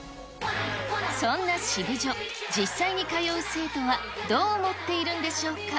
そんなシブジョ、実際に通う生徒は、どう思っているんでしょうか。